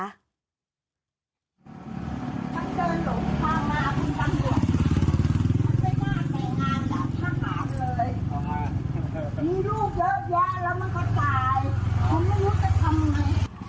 ต้องเจอหลงความลาคุณตำรวจ